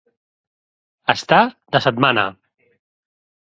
Estar de setmana.